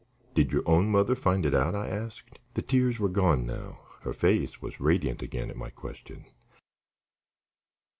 "Did your own mother find it out?" I asked. The tears were gone now; her face was radiant again at my question.